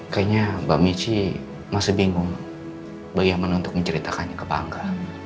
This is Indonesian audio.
kayaknya mbak michi masih bingung bagaimana untuk menceritakannya ke bangga